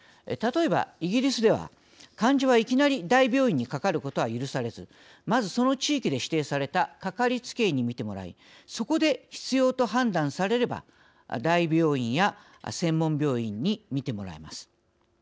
例えばイギリスでは患者はいきなり大病院にかかることは許されずまずその地域で指定されたかかりつけ医に診てもらいそこで必要と判断されれば大病院や専門病院に診てもらえます。